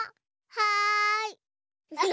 はい。